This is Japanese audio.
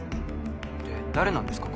で誰なんですか？